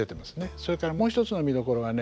それからもう一つの見どころがね